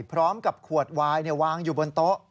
พร้อมกับขวดวายวางอยู่บนโต๊ะ